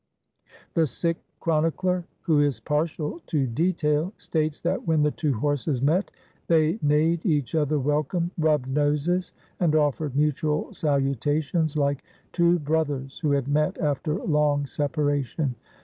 The Sikh chronicler, who is partial to detail, states that when the two horses met they neighed each other welcome, rubbed noses and offered mutual salutations like two brothers who had met after long separation.